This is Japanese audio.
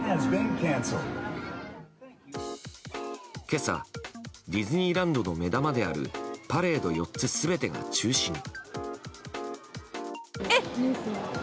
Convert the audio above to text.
今朝、ディズニーランドの目玉であるパレード４つ全てが中止に。